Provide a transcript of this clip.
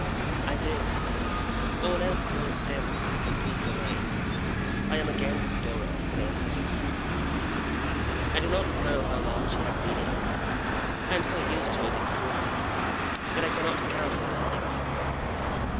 I do. All else grows dim, and fades away. I am again with Dora, in our cottage. I do not know how long she has been ill. I am so used to it in feeling, that I cannot count the time.